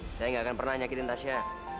saya gak akan pernah nyakitin tasya